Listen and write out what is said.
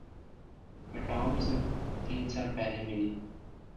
मैं टॉम से तीन साल पहले मिली।